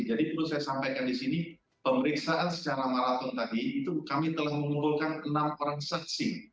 jadi perlu saya sampaikan di sini pemeriksaan secara malakun tadi itu kami telah mengumpulkan enam orang saksi